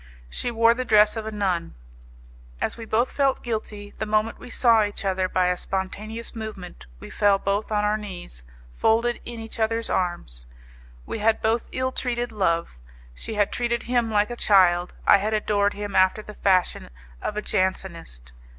She wore the dress of a nun. As we both felt guilty, the moment we saw each other, by a spontaneous movement, we fell both on our knees, folded in each other's arms. We had both ill treated Love; she had treated him like a child, I had adored him after the fashion of a Jansenist.